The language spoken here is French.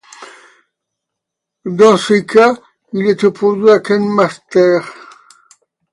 Dans ces cas, il est opposé à Ken Masters.